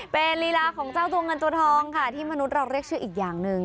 เป็นลีลาของเจ้าตัวเงินตัวทองค่ะที่มนุษย์เราเรียกชื่ออีกอย่างหนึ่ง